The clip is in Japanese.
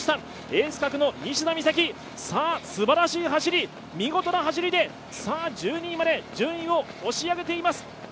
エース格の西田美咲、すばらしい走り、見事な走り１２位まで順位を押し上げています。